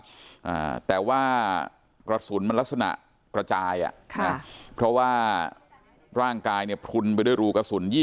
อ่าแต่ว่ากระสุนมันลักษณะกระจายอ่ะค่ะเพราะว่าร่างกายเนี่ยพลุนไปด้วยรูกระสุนยี่